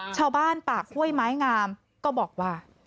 ชาวบ้านปากห้วยไม้งามก็บอกว่า